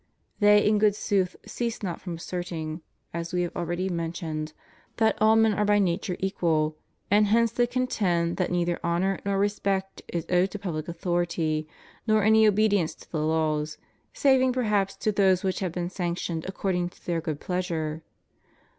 ^ They in good sooth cease not from asserting — as we have already mentioned — that all men are by nature equal, and hence they contend that neither honor nor respect is owed to public authority, nor any obedience to the laws, saving perhaps to those which have been sanctioned according to their good pleasure.